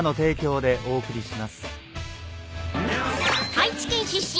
［愛知県出身